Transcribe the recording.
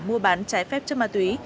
mua bán trái phép cho ma túy